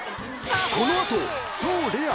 このあと超レア！